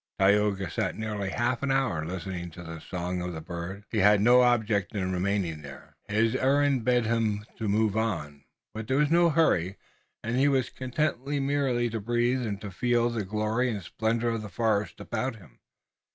Tayoga sat nearly half an hour listening to the song of the bird. He had no object in remaining there, his errand bade him move on, but there was no hurry and he was content merely to breathe and to feel the glory and splendor of the forest about him.